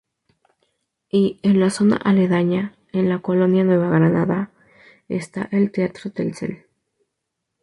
Y en la zona aledaña, en la colonia Nueva Granada, está el Teatro Telcel.